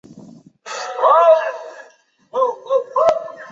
本剧获得过多个电视奖项的肯定。